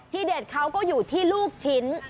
เด็ดเขาก็อยู่ที่ลูกชิ้น